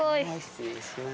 失礼します。